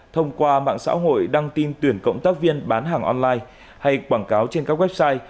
thông qua mạng xã hội đăng tin tuyển cộng tác viên bán hàng online hay quảng cáo trên các website